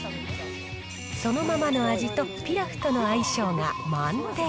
そのままの味とピラフとの相性が満点。